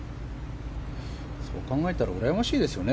そう考えたらうらやましいですよね。